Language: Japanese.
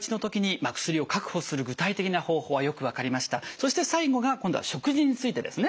そして最後が今度は食事についてですね。